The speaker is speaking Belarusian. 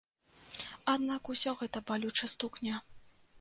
Аднак, усё гэта балюча стукне.